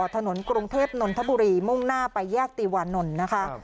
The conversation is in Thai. กรุงเทพนนทบุรีมุ่งหน้าไปแยกติวานนท์นะคะ